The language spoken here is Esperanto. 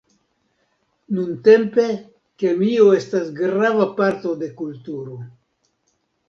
Nuntempe kemio estas grava parto de kulturo.